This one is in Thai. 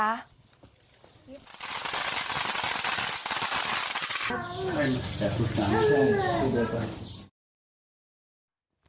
ผ่านงานเพลง